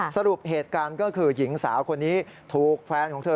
สรุปเหตุการณ์ก็คือหญิงสาวคนนี้ถูกแฟนของเธอ